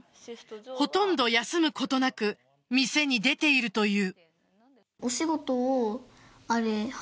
ほとんど休むことなく店に出ているという。